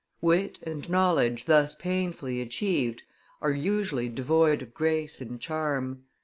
Wit and knowledge thus painfully achieved are usually devoid of grace and charm.